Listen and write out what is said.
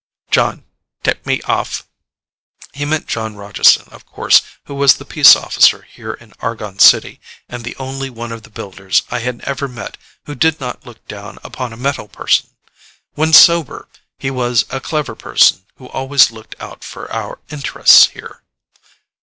Jon tipped me off." He meant Jon Rogeson, of course, who was the peace officer here in Argon City, and the only one of the Builders I had ever met who did not look down upon a metal person. When sober he was a clever person who always looked out for our interests here.